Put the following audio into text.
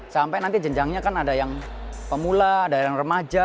sampai nanti jenjangnya kan ada yang pemula ada yang remaja